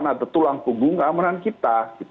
karena ada tulang punggung keamanan kita